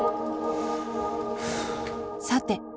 さて